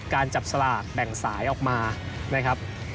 การจับสลากแบ่งสายออกมา